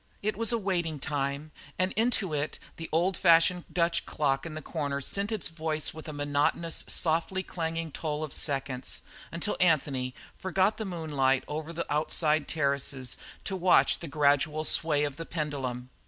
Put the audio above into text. It was a waiting time, and into it the old fashioned Dutch clock in the corner sent its voice with a monotonous, softly clanging toll of seconds, until Anthony forgot the moonlight over the outside terraces to watch the gradual sway of the pendulum.